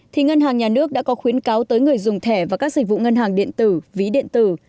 thì ngân hàng nhà nước đã có khuyến cáo tới người dùng thẻ và các dịch vụ ngân hàng điện tử ví điện tử